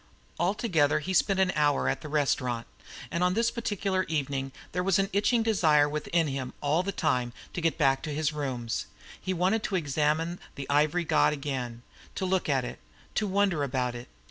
Altogether he spent an hour at this restaurant; and on this particular evening there was an itching desire within him all the time to get back to his rooms. He wanted to examine the ivory god again, to look at it, to wonder about it.